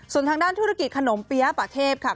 ส่วนทางด้านธุรกิจขนมเปี๊ยะป่าเทพค่ะ